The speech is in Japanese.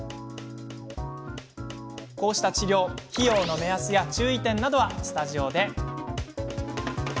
こうした治療、費用の目安や注意点などはスタジオで。